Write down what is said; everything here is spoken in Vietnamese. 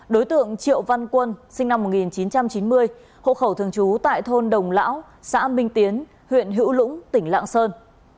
đối tượng triệu văn quân sinh năm một nghìn chín trăm chín mươi hộ khẩu thường trú tại thôn đồng lão xã minh tiến huyện hữu lũng tỉnh lạng sơn